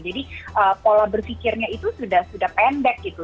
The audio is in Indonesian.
jadi pola berfikirnya itu sudah pendek gitu